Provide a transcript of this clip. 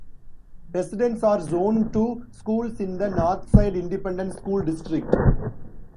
Residents are zoned to schools in the Northside Independent School District.